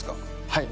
はい。